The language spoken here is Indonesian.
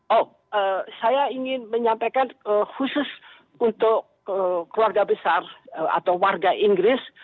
oh saya ingin menyampaikan khusus untuk keluarga besar atau warga inggris